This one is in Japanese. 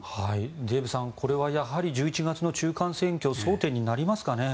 デーブさんこれはやはり１１月の中間選挙争点になりますかね。